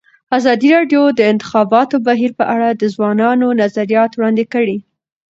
ازادي راډیو د د انتخاباتو بهیر په اړه د ځوانانو نظریات وړاندې کړي.